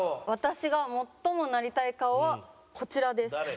私が最もなりたい顔はこちらです。